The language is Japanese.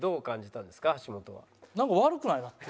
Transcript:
なんか悪くないなって。